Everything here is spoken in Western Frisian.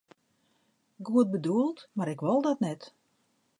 Goed bedoeld, mar ik wol dat net.